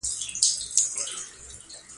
طالبان د نجونو د زده کړو دښمنان دي